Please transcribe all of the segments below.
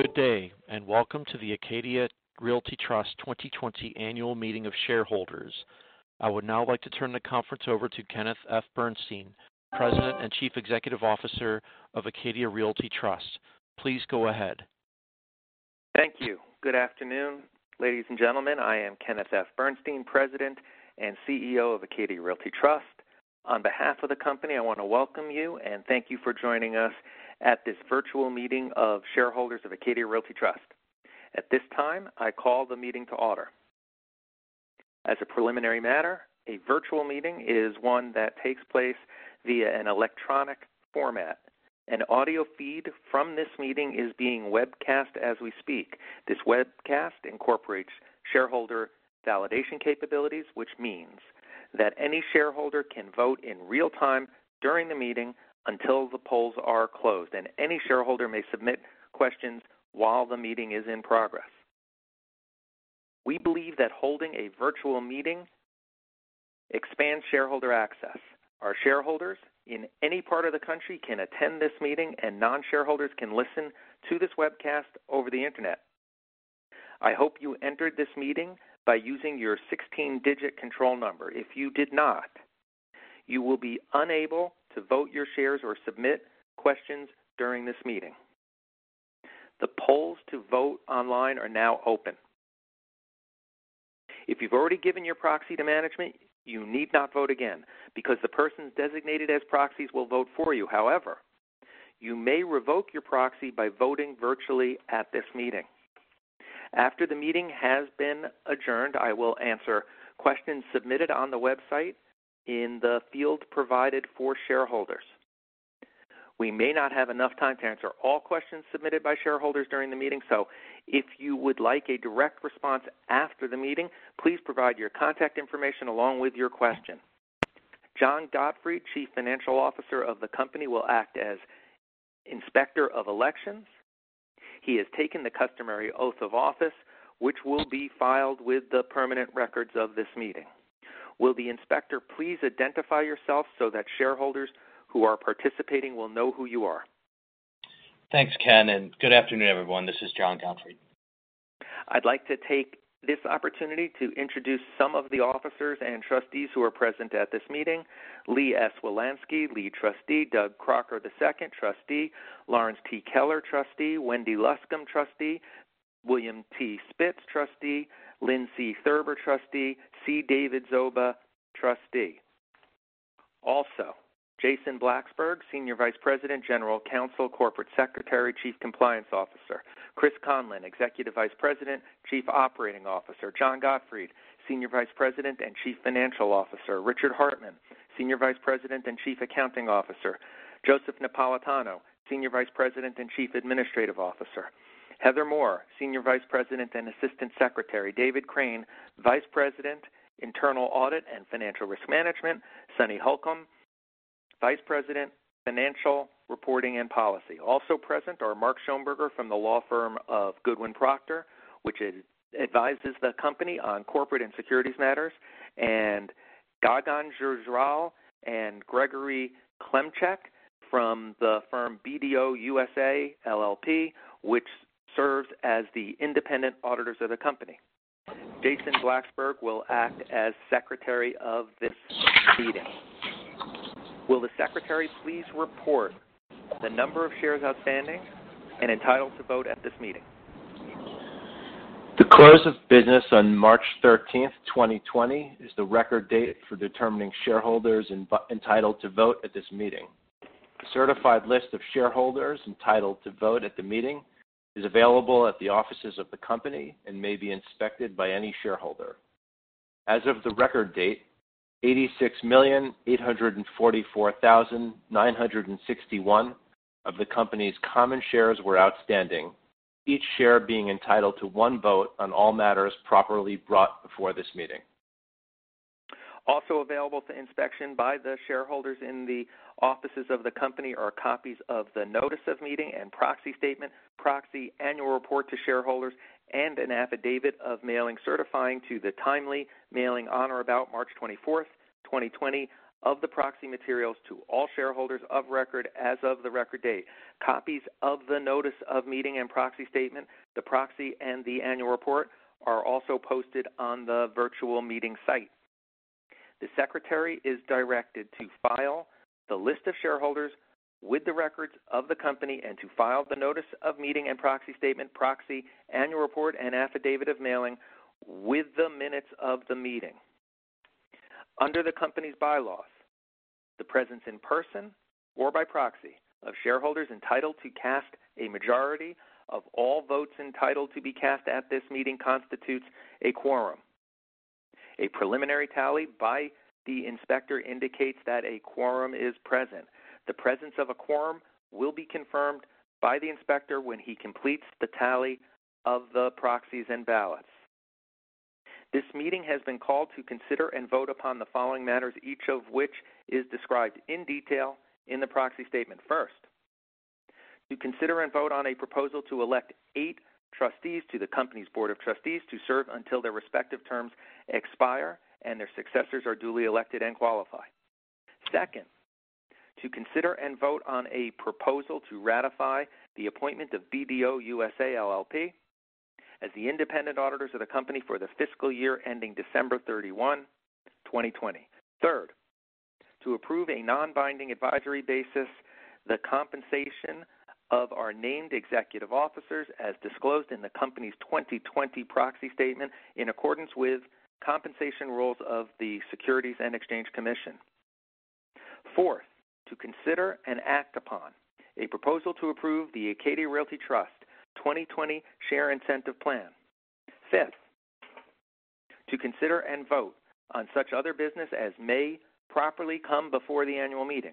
Good day, and welcome to the Acadia Realty Trust 2020 Annual Meeting of Shareholders. I would now like to turn the conference over to Kenneth F. Bernstein, President and Chief Executive Officer of Acadia Realty Trust. Please go ahead. Thank you. Good afternoon, ladies and gentlemen. I am Kenneth F. Bernstein, President and CEO of Acadia Realty Trust. On behalf of the company, I want to welcome you and thank you for joining us at this virtual meeting of shareholders of Acadia Realty Trust. At this time, I call the meeting to order. As a preliminary matter, a virtual meeting is one that takes place via an electronic format. An audio feed from this meeting is being webcast as we speak. This webcast incorporates shareholder validation capabilities, which means that any shareholder can vote in real time during the meeting until the polls are closed, and any shareholder may submit questions while the meeting is in progress. We believe that holding a virtual meeting expands shareholder access. Our shareholders in any part of the country can attend this meeting, and non-shareholders can listen to this webcast over the internet. I hope you entered this meeting by using your 16-digit control number. If you did not, you will be unable to vote your shares or submit questions during this meeting. The polls to vote online are now open. If you've already given your proxy to management, you need not vote again because the persons designated as proxies will vote for you. However, you may revoke your proxy by voting virtually at this meeting. After the meeting has been adjourned, I will answer questions submitted on the website in the field provided for shareholders. We may not have enough time to answer all questions submitted by shareholders during the meeting. If you would like a direct response after the meeting, please provide your contact information along with your question. John Gottfried, Chief Financial Officer of the company, will act as Inspector of Elections. He has taken the customary oath of office, which will be filed with the permanent records of this meeting. Will the inspector please identify yourself so that shareholders who are participating will know who you are? Thanks, Ken, and good afternoon, everyone. This is John Gottfried. I'd like to take this opportunity to introduce some of the officers and Trustees who are present at this meeting. Lee S. Wielansky, Lead Trustee. Doug Crocker II, Trustee. Lorrence T. Kellar, Trustee. Wendy Luscombe, Trustee. William T. Spitz, Trustee. Lynn C. Thurber, Trustee. C. David Zoba, Trustee. Also, Jason Blacksberg, Senior Vice President, General Counsel, Corporate Secretary, Chief Compliance Officer. Christopher Conlon, Executive Vice President, Chief Operating Officer. John Gottfried, Senior Vice President and Chief Financial Officer. Richard Hartmann, Senior Vice President and Chief Accounting Officer. Joseph Napolitano, Senior Vice President and Chief Administrative Officer. Heather Moore, Senior Vice President and Assistant Secretary. David Craine, Vice President, Internal Audit and Financial Risk Management. Sunny Holcomb, Vice President, Financial Reporting and Policy. Also present are Mark Schonberger from the law firm of Goodwin Procter, which advises the company on corporate and securities matters, and Gagan Gujral and Gregory Klemchek from the firm BDO USA, LLP, which serves as the independent auditors of the company. Jason Blacksberg will act as Secretary of this meeting. Will the Secretary please report the number of shares outstanding and entitled to vote at this meeting? The close of business on March 13th, 2020, is the record date for determining shareholders entitled to vote at this meeting. A certified list of shareholders entitled to vote at the meeting is available at the offices of the company and may be inspected by any shareholder. As of the record date, 86,844,961 of the company's common shares were outstanding, each share being entitled to one vote on all matters properly brought before this meeting. Also available to inspection by the shareholders in the offices of the company are copies of the notice of meeting and proxy statement, proxy, annual report to shareholders, and an affidavit of mailing certifying to the timely mailing on or about March 24th, 2020 of the proxy materials to all shareholders of record as of the record date. Copies of the notice of meeting and proxy statement, the proxy, and the annual report are also posted on the virtual meeting site. The Secretary is directed to file the list of shareholders with the records of the company and to file the notice of meeting and proxy statement, proxy, annual report, and affidavit of mailing with the minutes of the meeting. Under the company's bylaws, the presence in person or by proxy of shareholders entitled to cast a majority of all votes entitled to be cast at this meeting constitutes a quorum. A preliminary tally by the Inspector indicates that a quorum is present. The presence of a quorum will be confirmed by the Inspector when he completes the tally of the proxies and ballots. This meeting has been called to consider and vote upon the following matters, each of which is described in detail in the proxy statement. First, to consider and vote on a proposal to elect eight trustees to the company's Board of Trustees to serve until their respective terms expire and their successors are duly elected and qualified. Second, to consider and vote on a proposal to ratify the appointment of BDO USA, LLP as the independent auditors of the company for the fiscal year ending December 31, 2020. Third, to approve a non-binding advisory basis the compensation of our named executive officers as disclosed in the company's 2020 proxy statement in accordance with compensation rules of the Securities and Exchange Commission. Fourth, to consider and act upon a proposal to approve the Acadia Realty Trust 2020 Share Incentive Plan. Fifth, to consider and vote on such other business as may properly come before the annual meeting.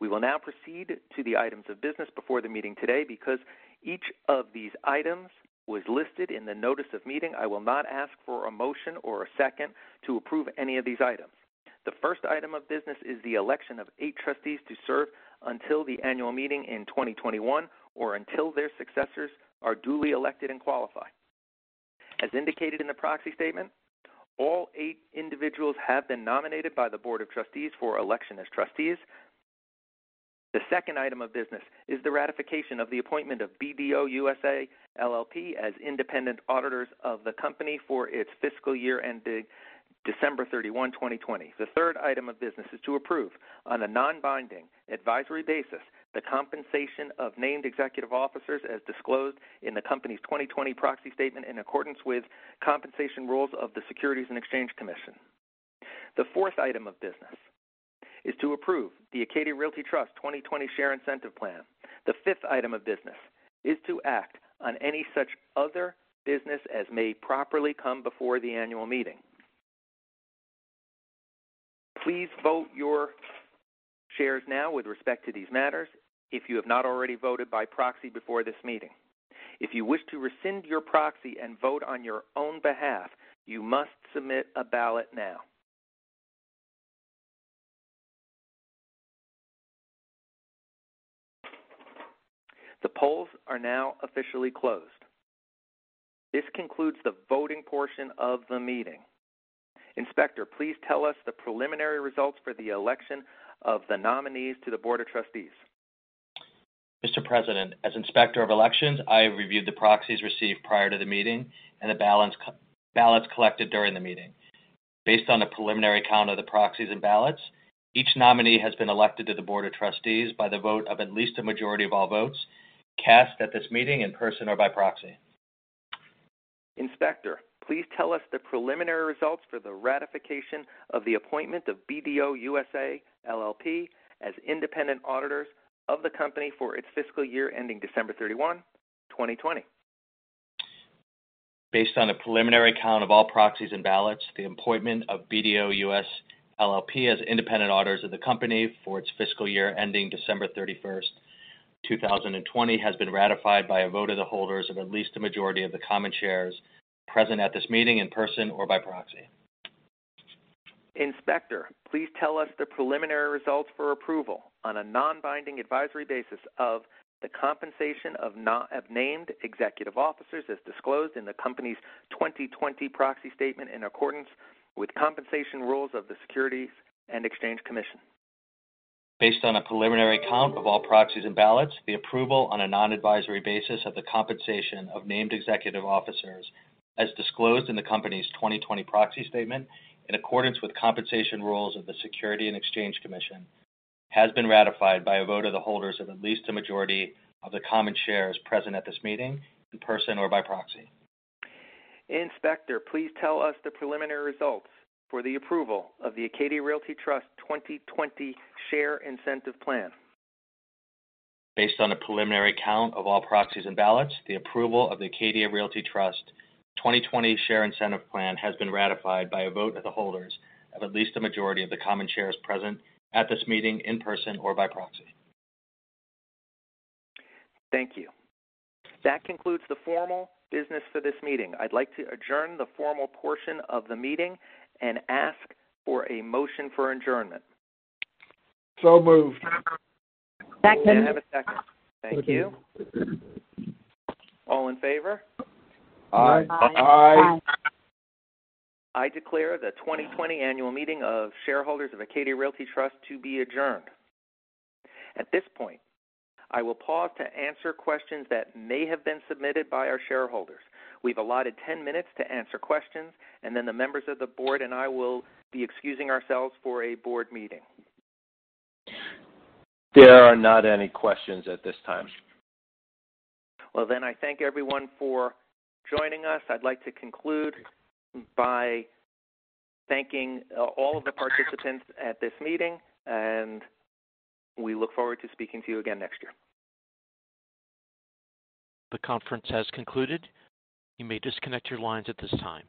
We will now proceed to the items of business before the meeting today. Because each of these items was listed in the notice of meeting, I will not ask for a motion or a second to approve any of these items. The first item of business is the election of eight trustees to serve until the annual meeting in 2021, or until their successors are duly elected and qualify. As indicated in the proxy statement, all eight individuals have been nominated by the board of trustees for election as trustees. The second item of business is the ratification of the appointment of BDO USA, LLP as independent auditors of the company for its fiscal year ending December 31, 2020. The third item of business is to approve on a non-binding advisory basis the compensation of named executive officers as disclosed in the company's 2020 proxy statement in accordance with compensation rules of the Securities and Exchange Commission. The fourth item of business is to approve the Acadia Realty Trust 2020 Share Incentive Plan. The fifth item of business is to act on any such other business as may properly come before the annual meeting. Please vote your shares now with respect to these matters if you have not already voted by proxy before this meeting. If you wish to rescind your proxy and vote on your own behalf, you must submit a ballot now. The polls are now officially closed. This concludes the voting portion of the meeting. Inspector, please tell us the preliminary results for the election of the nominees to the Board of Trustees. Mr. President, as Inspector of Elections, I have reviewed the proxies received prior to the meeting and the ballots collected during the meeting. Based on a preliminary count of the proxies and ballots, each nominee has been elected to the board of trustees by the vote of at least a majority of all votes cast at this meeting in person or by proxy. Inspector, please tell us the preliminary results for the ratification of the appointment of BDO USA, LLP as independent auditors of the company for its fiscal year ending December 31, 2020. Based on a preliminary count of all proxies and ballots, the appointment of BDO USA, LLP as independent auditors of the company for its fiscal year ending December 31st, 2020, has been ratified by a vote of the holders of at least a majority of the common shares present at this meeting in person or by proxy. Inspector, please tell us the preliminary results for approval on a non-binding advisory basis of the compensation of named executive officers as disclosed in the company's 2020 proxy statement in accordance with compensation rules of the Securities and Exchange Commission. Based on a preliminary count of all proxies and ballots, the approval on a non-advisory basis of the compensation of named executive officers as disclosed in the company's 2020 proxy statement in accordance with compensation rules of the Securities and Exchange Commission has been ratified by a vote of the holders of at least a majority of the common shares present at this meeting in person or by proxy. Inspector, please tell us the preliminary results for the approval of the Acadia Realty Trust 2020 Share Incentive Plan. Based on a preliminary count of all proxies and ballots, the approval of the Acadia Realty Trust 2020 Share Incentive Plan has been ratified by a vote of the holders of at least a majority of the common shares present at this meeting in person or by proxy. Thank you. That concludes the formal business for this meeting. I'd like to adjourn the formal portion of the meeting and ask for a motion for adjournment. Moved. Second. Do I have a second? Thank you. All in favor? Aye. Aye. I declare the 2020 annual meeting of shareholders of Acadia Realty Trust to be adjourned. At this point, I will pause to answer questions that may have been submitted by our shareholders. We've allotted 10 minutes to answer questions, and then the members of the board and I will be excusing ourselves for a board meeting. There are not any questions at this time. I thank everyone for joining us. I'd like to conclude by thanking all of the participants at this meeting, and we look forward to speaking to you again next year. The conference has concluded. You may disconnect your lines at this time.